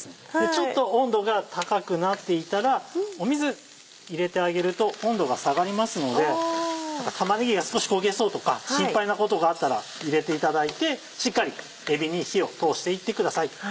ちょっと温度が高くなっていたら水入れてあげると温度が下がりますので玉ねぎが少し焦げそうとか心配なことがあったら入れていただいてしっかりえびに火を通していってください。